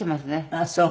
あっそう。